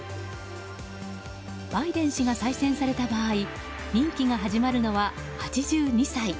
バイデン氏が再選された場合任期が始まるのは８２歳。